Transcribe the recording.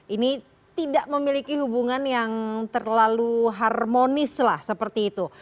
ini tidak memiliki hubungan yang terlalu harmonis lah seperti itu